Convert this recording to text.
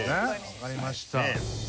分かりました。